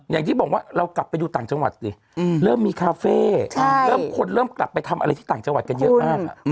อย่างที่บอกว่าเรากลับไปดูต่างจังหวัดสิเริ่มมีคาเฟ่เริ่มคนเริ่มกลับไปทำอะไรที่ต่างจังหวัดกันเยอะมาก